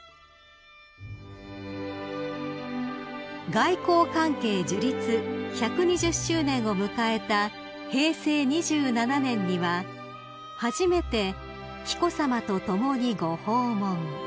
［外交関係樹立１２０周年を迎えた平成２７年には初めて紀子さまと共にご訪問］